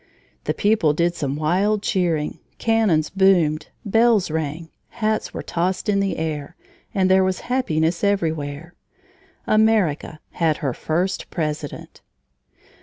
The people did some wild cheering, cannons boomed, bells rang, hats were tossed in the air, and there was happiness everywhere. America had her first President!